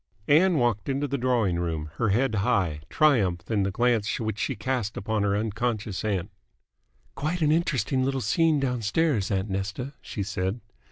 Ann walked into the drawing room, her head high, triumph in the glance which she cast upon her unconscious aunt. "Quite an interesting little scene downstairs, aunt Nesta," she said.